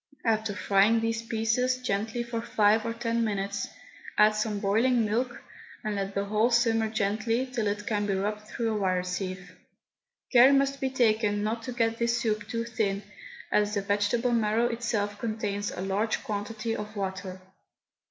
After frying these pieces gently for five or ten minutes, add some boiling milk, and let the whole simmer gently till it can be rubbed through a wire sieve. Care must be taken not to get this soup too thin, as the vegetable marrow itself contains a large quantity of water.